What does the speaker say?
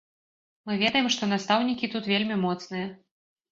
Мы ведаем, што настаўнікі тут вельмі моцныя.